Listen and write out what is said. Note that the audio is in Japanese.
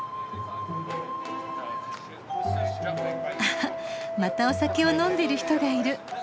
あっまたお酒を飲んでる人がいる。